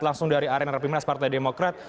langsung dari arena rapimnas partai demokrat